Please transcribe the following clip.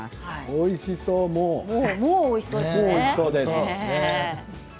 おいしそう、もう。